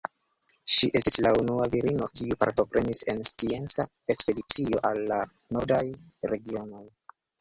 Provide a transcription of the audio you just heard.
Ŝi estis la unua virino kiu partoprenis en scienca ekspedicio al la nordaj regionoj.